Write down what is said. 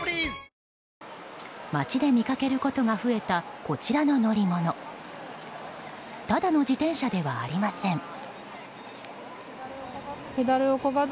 ただの自転車ではありません。